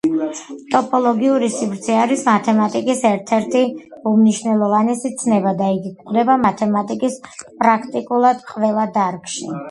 ტოპოლოგიური სივრცე არის მათემატიკის ერთ-ერთი უმნიშვნელოვანესი ცნება და იგი გვხვდება მათემატიკის პრაქტიკულად ყველა დარგში.